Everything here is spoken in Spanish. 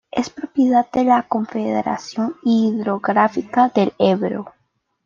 Es propiedad de la Confederación Hidrográfica del Ebro.